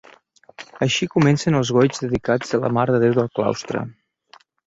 Així comencen els goigs dedicats a la Mare de Déu del Claustre.